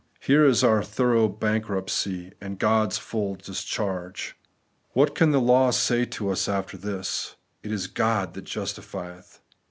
Here is our thorough bankruptcy, and God's full discharge. What can law say to us after this ?' It is God that justifieth.'